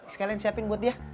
sekalian siapin buat dia